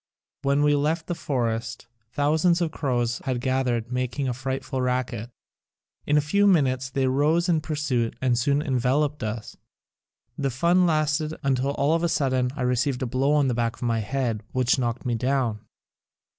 When we left the forest, thousands of crows had gathered making a frightful racket. In a few minutes they rose in pursuit and soon enveloped us. The fun lasted until all of a sudden I received a blow on the back of my head which knocked me down.